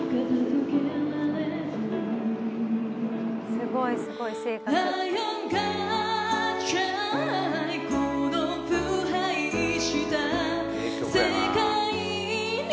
すごいすごい、正確。